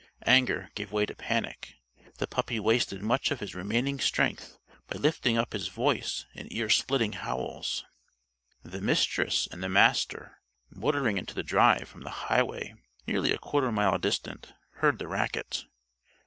Anger gave way to panic. The puppy wasted much of his remaining strength by lifting up his voice in ear splitting howls. The Mistress and the Master, motoring into the drive from the highway nearly a quarter mile distant, heard the racket.